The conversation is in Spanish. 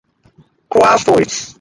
Croix Falls.